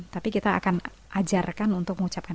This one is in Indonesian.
tapi kita akan ajarkan untuk mengucapkan